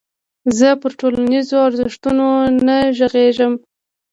زه پر ټولنيزو ارزښتونو نه غږېږم.